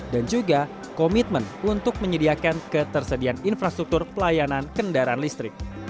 dan juga komitmen untuk menyediakan ketersediaan infrastruktur pelayanan kendaraan listrik